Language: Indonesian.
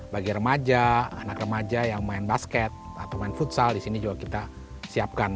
bagi remaja anak remaja yang main basket atau main futsal di sini juga kita siapkan